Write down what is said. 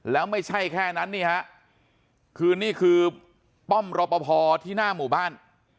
แล้วไม่ใช่แค่นั้นนี่ฮะคือนี่คือป้อมรอปภที่หน้าหมู่บ้าน